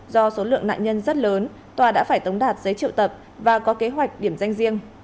do số lượng nạn nhân rất lớn tòa đã phải tống đạt giấy triệu tập và có kế hoạch điểm danh riêng